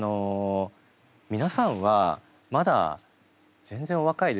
皆さんはまだ全然お若いですよね？